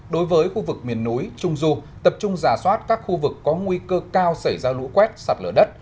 đối với khu vực miền núi trung du tập trung giả soát các khu vực có nguy cơ cao xảy ra lũ quét sạt lở đất